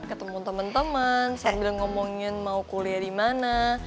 ketemu temen temen sambil ngomongin mau kuliah di mana